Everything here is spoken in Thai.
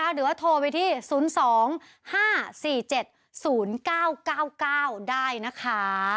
หรือว่าโทรไปที่๐๒๕๔๗๐๙๙๙ได้นะคะ